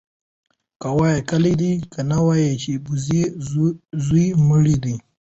ـ که وايم کلى دى ، که نه وايم د بورې زوى مړى دى.